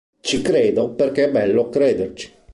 Ci credo perché è bello crederci.